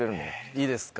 いいですか？